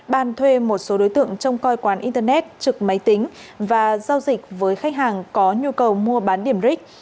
ban thuê một số đối tượng trông coi quán internet trực máy tính và giao dịch với khách hàng có nhu cầu mua bán điểm ric